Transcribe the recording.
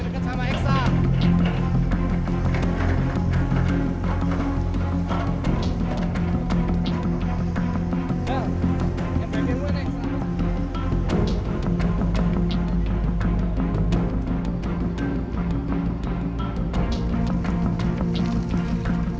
kita akan mencoba ekstra